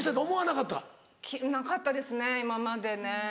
なかったですね今までね。